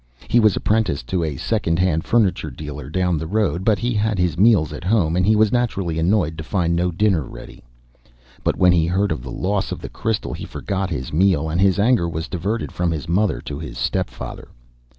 He was apprenticed to a second hand furniture dealer down the road, but he had his meals at home, and he was naturally annoyed to find no dinner ready. But, when he heard of the loss of the crystal, he forgot his meal, and his anger was diverted from his mother to his step father.